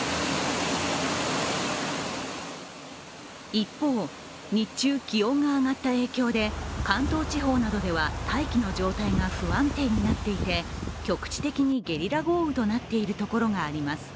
一方、日中気温が上がった影響で関東地方などでは大気の状態が不安定になっていて、局地的にゲリラ豪雨となっているところがあります。